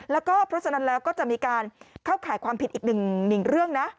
แล้วก็เพราะฉะนั้นแล้วก็จะมีการเข้าข่ายความผิดอีกหนึ่งเรื่องนะ